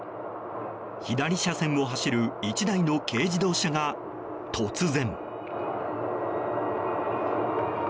左車線を走る１台の軽自動車が突然。